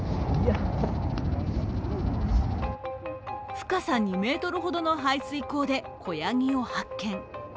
深さ２ｍほどの排水溝で子やぎを発見。